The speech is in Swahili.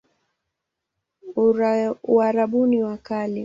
Uarabuni wa Kale